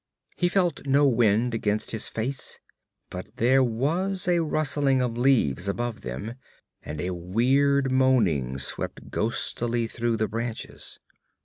He felt no wind against his face, but there was a rustling of leaves above them and a weird moaning swept ghostily through the branches.